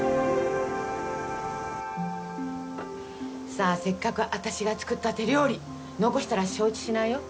さあせっかく私が作った手料理残したら承知しないよ。